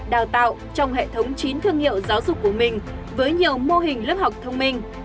đào tạo trong hệ thống chính thương hiệu giáo dục của mình với nhiều mô hình lớp học thông minh